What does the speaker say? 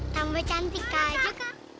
tambah cantik aja